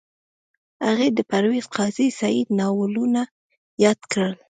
هغې د پرویز قاضي سعید ناولونه یاد کړل